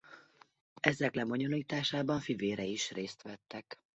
Ezek lebonyolításában fivérei is részt vettek.